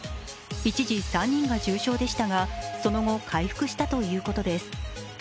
一時、３人が重症でしたがその後、回復したということです。